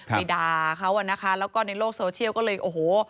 ไปด่าเขาอ่ะนะคะแล้วก็ในโลกโซเชียลก็เลยโอ้โห